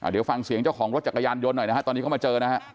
เดี๋ยวฟังเสียงเจ้าของรถจักรยานยนต์หน่อยนะฮะตอนนี้เขามาเจอนะฮะ